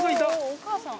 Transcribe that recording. お母さん！